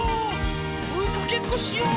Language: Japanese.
おいかけっこしよう。